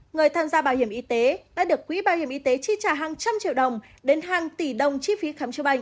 người tham gia bảo hiểm y tế đã được quỹ bảo hiểm y tế chi trả hàng trăm triệu đồng đến hàng tỷ đồng chi phí khám chữa bệnh